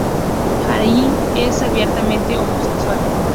Harari es abiertamente homosexual.